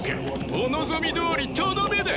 お望みどおりとどめだ。